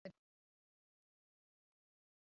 که وینه ودریږي انسان مري.